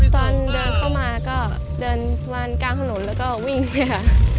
ตอนเดินเข้ามาก็เดินวนกลางถนนแล้วก็วิ่งไปค่ะ